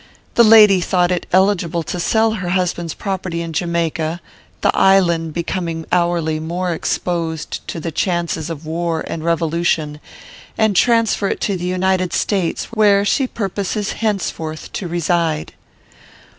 The lady thought it eligible to sell her husband's property in Jamaica, the island becoming hourly more exposed to the chances of war and revolution, and transfer it to the United States, where she purposes henceforth to reside.